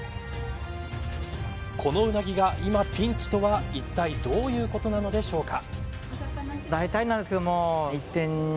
このウナギが今ピンチとはいったいどういうことなのでしょうか。